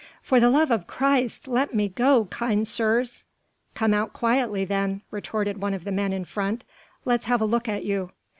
"For the love of Christ, let me go, kind sirs!" "Come out quietly then," retorted one of the men in front, "let's have a look at you."